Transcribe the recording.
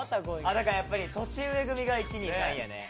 やっぱり年上組が１２３位やね。